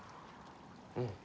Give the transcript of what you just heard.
うん。